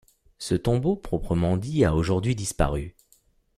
Ce tombeau proprement dit a aujourd’hui disparu.